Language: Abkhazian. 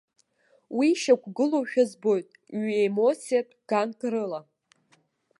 Уи шьақәгылоушәа збоит ҩ-емоциатә ганк рыла.